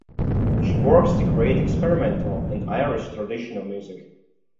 She works to create experimental and Irish traditional music.